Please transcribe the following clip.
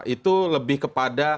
itu lebih kepada